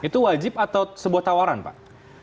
itu wajib atau sebuah tawaran pak